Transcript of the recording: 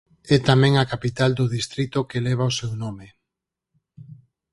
É tamén a capital do distrito que leva o seu nome.